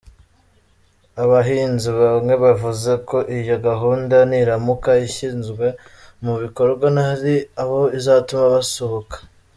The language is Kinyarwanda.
Abahinzi bamwe bavuze ko iyo gahunda niramuka ishyizwe mu bikorwa hari abo izatuma basuhuka.